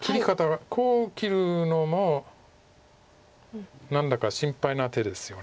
こう切るのも何だか心配な手ですよね。